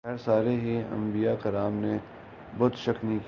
خیر سارے ہی انبیاء کرام نے بت شکنی کی ۔